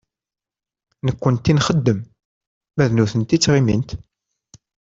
Nekkenti nxeddem, ma d nutenti ttɣimint.